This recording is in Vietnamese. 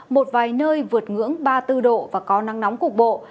một vài nơi vượt ngưỡng ba mươi bốn độ và có nắng nóng cục bộ